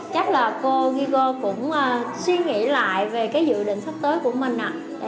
chắc là riiko cũng suy nghĩ lại về dự định sắp tới của mình